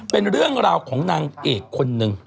เป็นเรื่องราวของนางเอกคนหนึ่ง